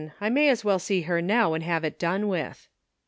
I may as well see her now and have it done with.'